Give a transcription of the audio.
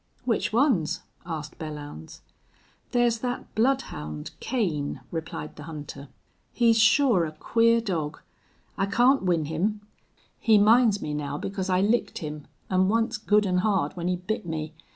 "Which ones?" asked Belllounds. "There's that bloodhound, Kane," replied the hunter. "He's sure a queer dog. I can't win him. He minds me now because I licked him, an' once good an' hard when he bit me....